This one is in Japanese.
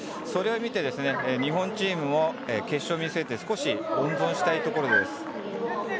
それを見て、日本チームも決勝を見据えて少し温存したいところです。